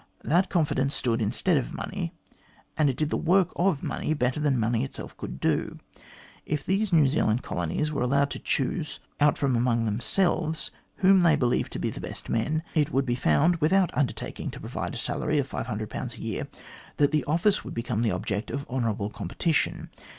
That confidence stood instead of money, and it did the work of money better than money itself could do. If these New Zealand communities were allowed to choose out from among themselves those whom they believed to be the best men, it would be found, without undertaking to provide a salary of 500 a year, that the office would become the object of honourable competition.